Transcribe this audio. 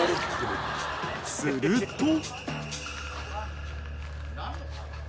［すると］